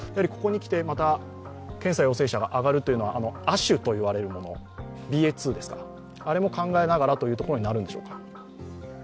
ここにきてまた検査陽性者が上がるというのは亜種といわれるＢＡ．２ですかあれも考えながらということになるんでしょうか。